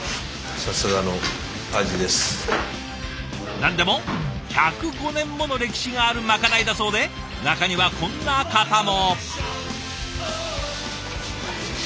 何でも１０５年もの歴史があるまかないだそうで中にはこんな方も。